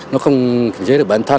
nó không thể kiểm trích được bản thân